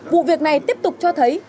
vụ việc này tiếp tục cho thấy